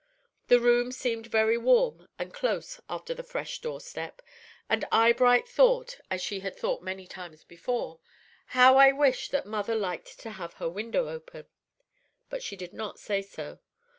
The room seemed very warm and close after the fresh door step, and Eyebright thought, as she had thought many times before, "How I wish that mother liked to have her window open!" But she did not say so.